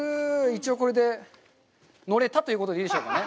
一応、これで乗れたということでいいでしょうかね？